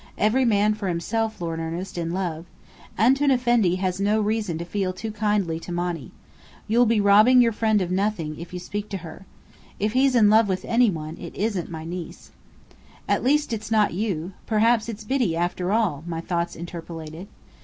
Every man for himself, Lord Ernest, in love! Antoun Effendi has no reason too feel too kindly to Monny. You'll be robbing your friend of nothing, if you speak to her. If he's in love with any one, it isn't my niece." "At least it's not you. Perhaps it's Biddy after all!" my thoughts interpolated.